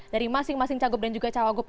dari masing masing cagup dan juga cawagup